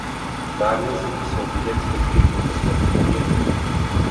Právě z ní jsou vidět zbytky průmyslových objektů.